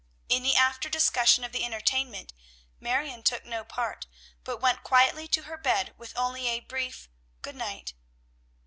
In the after discussion of the entertainment, Marion took no part, but went quietly to her bed, with only a brief "good night."